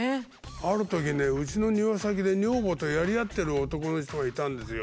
あるときねうちの庭先で女房とやり合ってる男の人がいたんですよ。